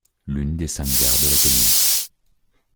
C'est l'une des cinq gares de la commune.